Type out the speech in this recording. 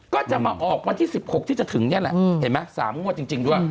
ก็จะมาออกวันที่๑๖ที่จะถึงนี่แหละเห็นไหม๓งวดจริงด้วย